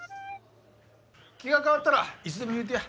気が変わったらいつでも言うてや。